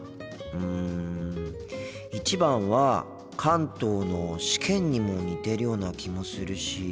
うん１番は関東の「試験」にも似てるような気もするし。